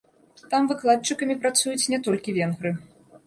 Там выкладчыкамі працуюць не толькі венгры.